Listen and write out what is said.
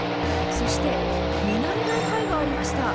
そして、見慣れない貝がありました。